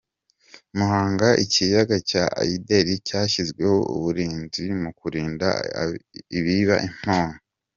Muhanga Ikiyaga cya Ayideri cyashyizweho uburinzi mu kurinda abiba impombo